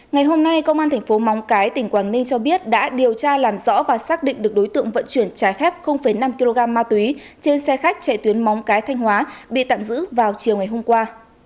ngày hôm nay công an thành phố móng cái tỉnh quảng ninh cho biết đã điều tra làm rõ và xác định được đối tượng vận chuyển trái phép năm kg ma túy trên xe khách chạy tuyến móng cái thanh hóa bị tạm giữ vào chiều ngày hôm qua